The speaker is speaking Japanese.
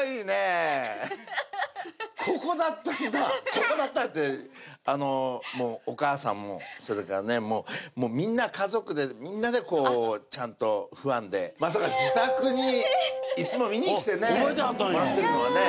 ここだったってあのもうお母さんもそれからねもうみんな家族でみんなでこうちゃんとファンでまさか自宅にいつも見に来てねもらってるのはね